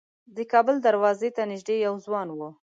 د کابل دروازې څوک ته نیژدې یو ځوان و.